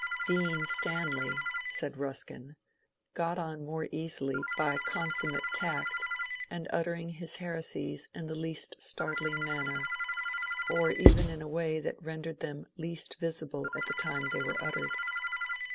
Dean Stanley, said Ruskin, got on more easily by consummate tact, and uttering his heresies in the least startling manner, or even in a way that rendered them least visible at the time they were uttered.